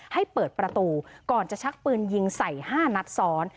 ให้เปิดประตูก่อนจะชักปืนยิงใส่๕นัดซ้อน